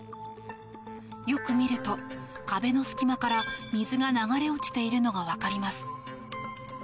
よく見ると壁の隙間から水が流れ落ちているのが分かります。